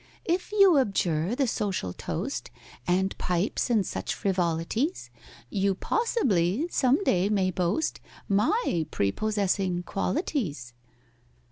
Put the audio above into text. "If you abjure the social toast, And pipes, and such frivolities, You possibly some day may boast My prepossessing qualities!"